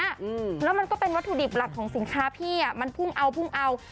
แล้วมันก็เป็นวัตถุดิบหลักของสินค้าพี่มันพุ่งเอา